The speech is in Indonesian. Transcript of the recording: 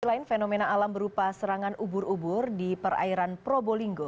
selain fenomena alam berupa serangan ubur ubur di perairan probolinggo